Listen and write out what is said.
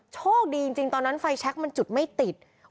โชคดีจริงตอนนั้นไฟแชคมันจุดไม่ติด